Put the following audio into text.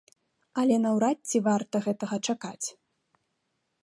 Але наўрад ці варта гэтага чакаць.